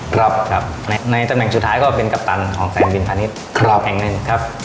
ครับครับในในตำแหน่งสุดท้ายก็เป็นกัปตันของสายบินพาณิชย์ครับแห่งหนึ่งครับ